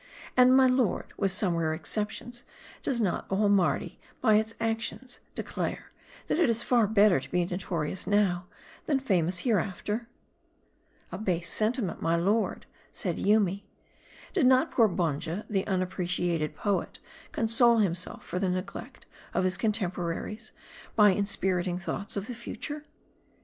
And, my lord, with some rare exceptions, does not all Mardi, by its actions, declare, that it is far better to be notorious now, than' famous hereafter ?" "A base sentiment, my lord," said Yoomy. "Did not poor Bonja, the unappreciated poet, console himself for the neglect of his contemporaries, by inspiriting thoughts of the future